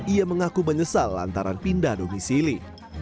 ia mengaku menyesal lantaran pindah domisili